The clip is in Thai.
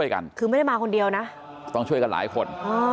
กันคือไม่ได้มาคนเดียวนะต้องช่วยกันหลายคน